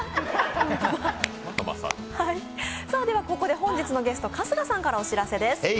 ここで本日のゲスト、春日さんからお知らせです。